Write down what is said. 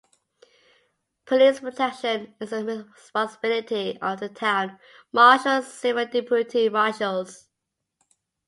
Police protection is the responsibility of the town marshal and several deputy marshals.